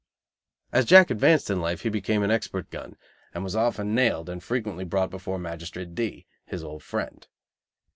As Jack advanced in life he became an expert "gun," and was often nailed, and frequently brought before Magistrate D , his old friend.